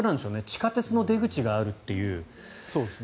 地下鉄の出口があるという。